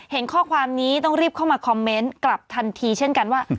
เห็นข้อความนี้ต้องรีบเข้ามาคอมเมนต์กลับทันทีเช่นกันว่า